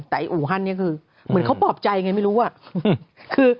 แต่อูฮันนี่คือเหมือนเขาปลอบใจไงไม่รู้อะ